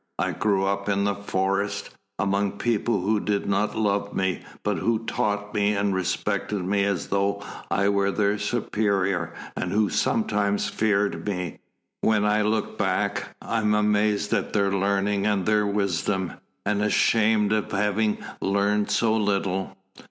I grew up in the forest, among people who did not love me, but who taught me, and respected me as though I were their superior, and who sometimes feared me. When I look back, I am amazed at their learning and their wisdom and ashamed of having learned so little."